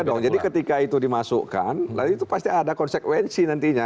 iya dong jadi ketika itu dimasukkan itu pasti ada konsekuensi nantinya